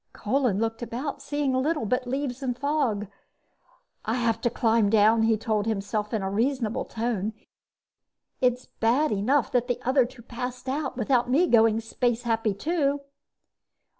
Kolin looked about, seeing little but leaves and fog. "I have to climb down," he told himself in a reasonable tone. "It's bad enough that the other two passed out without me going space happy too."